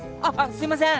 すいません！